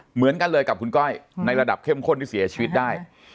เหมือนกันเลยกับคุณก้อยในระดับเข้มข้นที่เสียชีวิตได้